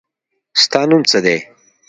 ستا نوم څه دی ؟